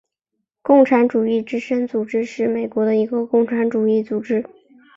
共产主义之声组织是美国的一个共产主义组织。